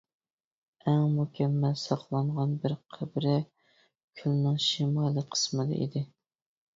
ئەڭ مۇكەممەل ساقلانغان بىر قەبرە كۆلنىڭ شىمالىي قىسمىدا ئىدى.